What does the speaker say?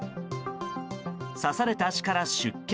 刺された足から出血。